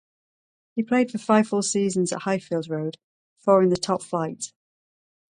He played for five full seasons at Highfield Road, four in the top flight.